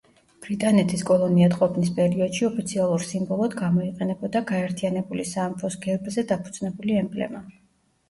ბრიტანეთის კოლონიად ყოფნის პერიოდში ოფიციალურ სიმბოლოდ გამოიყენებოდა გაერთიანებული სამეფოს გერბზე დაფუძნებული ემბლემა.